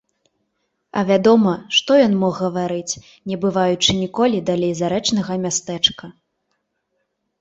А вядома, што ён мог гаварыць, не бываючы ніколі далей зарэчнага мястэчка.